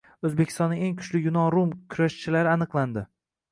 O‘zbekistonning eng kuchli yunon-rum kurashichilari aniqlandi